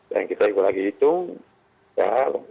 dan kita juga lagi hitung ya